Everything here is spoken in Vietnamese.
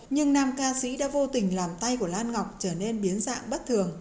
nhưng nam ca sĩ đã vô tình làm tay của lan ngọc trở nên biến dạng bất thường